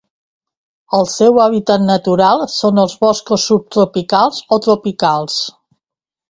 El seu hàbitat natural són els boscos subtropicals o tropicals.